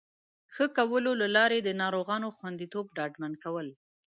ښه کولو له لارې د ناروغانو خوندیتوب ډاډمن کول